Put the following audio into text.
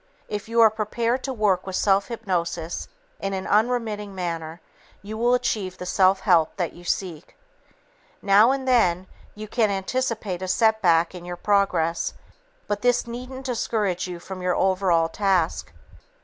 If you are prepared to work with self hypnosis in an unremitting manner, you will achieve the self help that you seek. Now and then, you can anticipate a setback in your progress, but this needn't discourage you from your overall task.